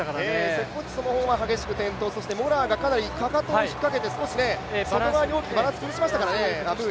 セクゴディソの方は激しく転倒、そしてムーがかなりかかとを引っ掛けて、外側にバランスを崩しましたからね。